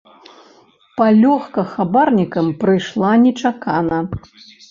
Палёгка хабарнікам прыйшла нечакана.